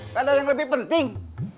kan ada yang lebih penting